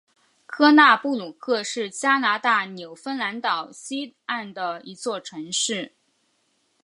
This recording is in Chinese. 科纳布鲁克是加拿大纽芬兰岛西岸的一座城市。